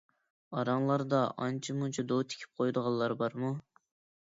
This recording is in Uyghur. ئاراڭلاردا ئانچە-مۇنچە دو تىكىپ قويىدىغانلار بارمۇ؟